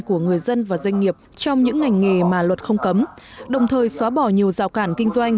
của người dân và doanh nghiệp trong những ngành nghề mà luật không cấm đồng thời xóa bỏ nhiều rào cản kinh doanh